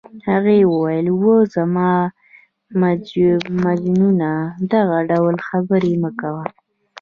هغې وویل: اوه، زما مجنونه دغه ډول خبرې مه کوه.